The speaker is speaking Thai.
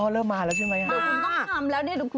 อ๋อเริ่มมาแล้วใช่ไหมครับ